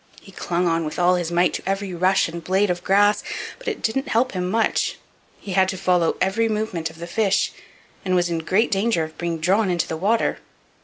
He clung on with all his might to every rush and blade of grass, but it didn't help him much; he had to follow every movement of the fish, and was in great danger of being drawn into the water.